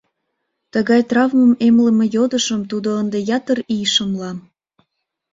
Тыгай травмым эмлыме йодышым тудо ынде ятыр ий шымла.